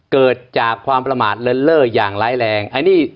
เกิดจากความประมาทเลิศเล่าอย่างร้ายแรง